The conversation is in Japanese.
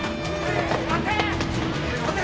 待て！